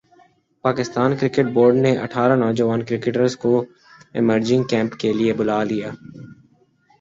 Pakistan cricket board نے اٹھارہ نوجوان کرکٹرز کو ایمرجنگ کیمپ کیلئے بلا لیا